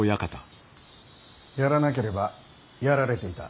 やらなければやられていた。